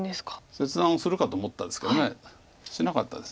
切断をするかと思ったんですけどしなかったです。